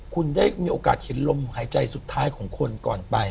คุณได้มีโอกาสเห็นลมหายใจสุดท้ายของคนก่อนไป